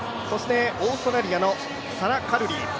オーストラリアのサラ・カルリ。